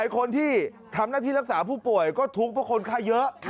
คนที่ทำหน้าที่รักษาผู้ป่วยก็ทุกข์เพราะคนไข้เยอะ